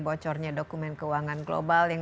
bocornya dokumen keuangan global yang